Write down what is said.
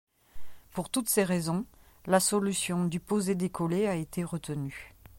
Pour toutes ces raisons, la solution du posé-décollé a été retenue.